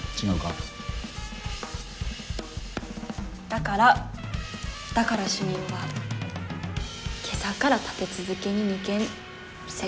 だからだから主任は今朝から立て続けに２件成約。